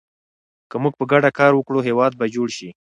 که موږ په ګډه کار وکړو، هېواد به جوړ شي.